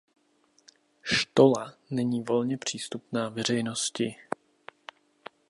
Štola není volně přístupná veřejnosti.